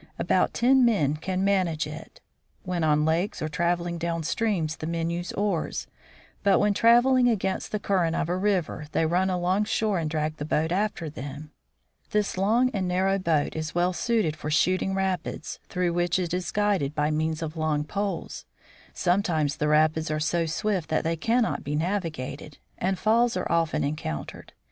About ten men can manage it. When on lakes or traveling down streams the men use oars, but when travel 1 6 THE FROZEN NORTH ing against the current of a river they run alongshore and drag the boat after them. This long and narrow boat is well suited for shooting rapids, through which it is guided by means of long poles. Sometimes the rapids are so swift that they cannot be navigated, and falls are often encoun tered.